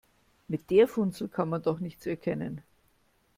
Mit der Funzel kann man doch nichts erkennen.